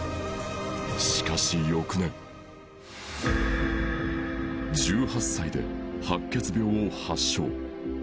しかし翌年１８歳で白血病を発症